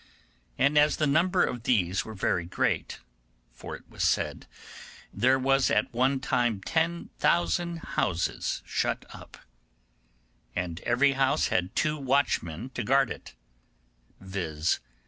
And as the number of these were very great (for it was said there was at one time ten thousand houses shut up, and every house had two watchmen to guard it, viz.